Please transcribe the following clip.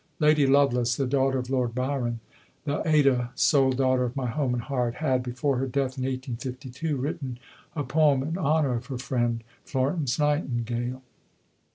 Lady Lovelace, the daughter of Lord Byron, the "Ada sole daughter of my home and heart," had, before her death in 1852, written a poem in honour of her friend, Florence Nightingale.